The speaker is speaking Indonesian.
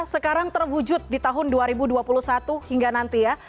sekarang terwujud di tahun dua ribu dua puluh satu hingga nanti ya